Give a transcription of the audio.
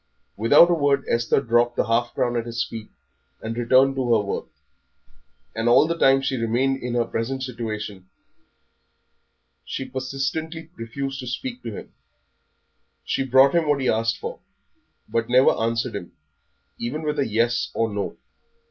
Without a word Esther dropped the half crown at his feet and returned to her work; and all the time she remained in her present situation she persistently refused to speak to him; she brought him what he asked for, but never answered him, even with a Yes or No.